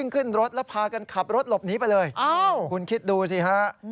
คุณคิดดูสิฮะ